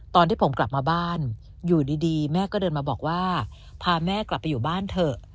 ตอนที่ผมกลับมาบ้านอยู่ดีแม่ก็เดินมาบอกว่าพาแม่กลับไปอยู่บ้านเถอะ